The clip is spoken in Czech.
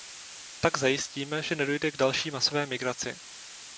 Tak zajistíme, že nedojde k další masové migraci.